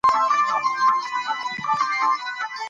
تعلیم یافته کسان په خپلو ټولنو کې د اعتبار وړ سرچینې وي.